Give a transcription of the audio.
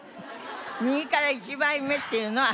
右から１番目っていうのは。